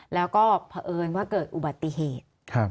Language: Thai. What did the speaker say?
แล้วก็เผอิญว่าเกิดอุบัติเหตุ